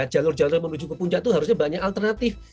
jalur jalur menuju ke puncak itu harusnya banyak alternatif